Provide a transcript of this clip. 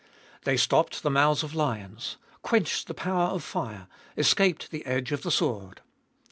They Stopped the mouths of lions, quenched the power of fire, escaped the edge of the sword.